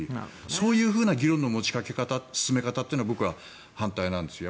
そういう議論の持ち掛け方進め方というのは僕は反対なんですよ。